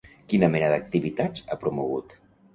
Quina mena d'activitats ha promogut?